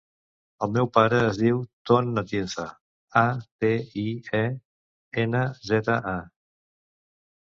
El meu pare es diu Ton Atienza: a, te, i, e, ena, zeta, a.